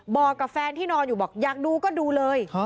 บอกกับแฟนที่นอนอยู่บอกอยากดูก็ดูเลย